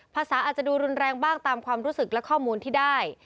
ภาษาอาจจะดูรุนแรงบ้างตามความรู้สึกและข้อมูลที่ได้